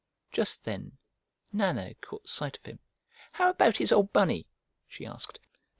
Just then Nana caught sight of him. "How about his old Bunny?" she asked.